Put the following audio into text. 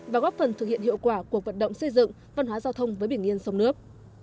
và góp phần thực hiện hiệu quả cuộc vận động xây dựng văn hóa giao thông với biển yên sông nước